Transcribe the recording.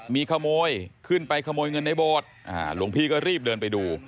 มีขโมยขึ้นไปขโมยเงินในโบสถ์หลวงพี่ก็รีบเดินไปดู